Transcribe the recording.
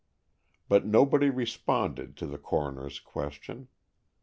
But nobody responded to the coroner's question.